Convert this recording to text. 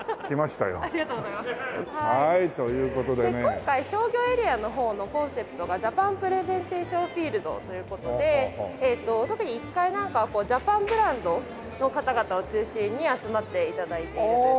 今回商業エリアの方のコンセプトが「ジャパン・プレゼンテーション・フィールド」という事で特に１階なんかはジャパンブランドの方々を中心に集まって頂いているという。